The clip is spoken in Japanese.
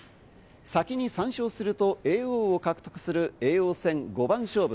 先に３勝すると叡王を獲得する叡王戦五番勝負。